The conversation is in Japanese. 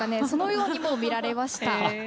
そのようにも見られました。